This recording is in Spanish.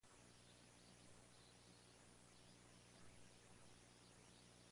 Políticos prominentes condenaron las acciones de Weinstein.